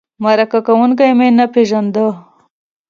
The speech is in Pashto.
مرکه کوونکی مې نه پېژنده.